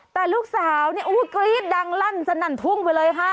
แต่ลูกสาวเนี่ยกรี๊ดดังลั่นสนั่นทุ่งไปเลยค่ะ